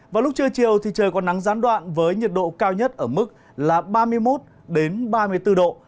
vào lúc trưa chiều thì trời còn nắng gián đoạn với nhiệt độ cao nhất ở mức là ba mươi một ba mươi bốn độ